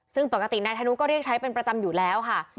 ซึ่งปกตินายธนุก็เรียกใช้เป็นประจำอยู่แล้วค่ะ